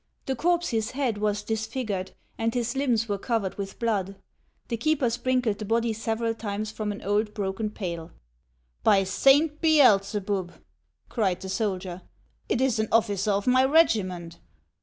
The corpse's head was disfigured, and his limbs were covered with blood ; the keeper sprinkled the body several times from an old broken pail. " By Saint Beelzebub !" cried the soldier, " it is an offi cer of my regiment.